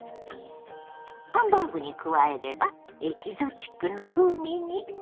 ハンバーグに加えればエキゾチックな風味に！